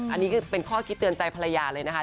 อันนี้ก็เป็นข้อคิดเตือนใจภรรยาเลยนะคะ